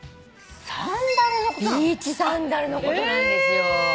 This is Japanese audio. ビーチサンダルのことなんですよ。